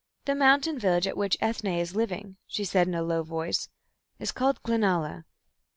"The mountain village at which Ethne is living," she said in a low voice, "is called Glenalla.